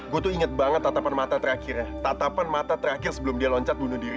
gue tuh inget banget tatapan mata terakhirnya tatapan mata terakhir sebelum dia loncat bunuh diri